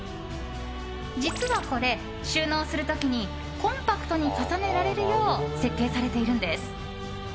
実はこれ、収納する時にコンパクトに重ねられるよう設計されているんです。